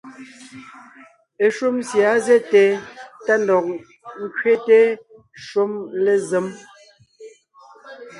Eshúm sie á zɛ́te tá ńdɔg ńkẅéte shúm lézém.